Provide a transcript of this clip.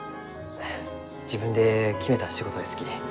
自分で決めた仕事ですき。